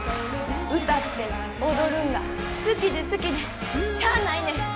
歌って踊るんが好きで好きでしゃあないねん。